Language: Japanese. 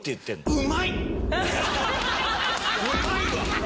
うまいわ！